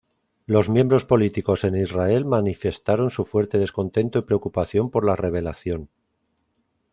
Los miembros políticos en Israel manifestaron su fuerte descontento y preocupación por la revelación.